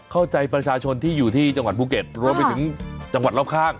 เข้าใจประชาชนที่อยู่ที่จังหวัดภูเก็ตรวมไปถึงจังหวัดรอบข้าง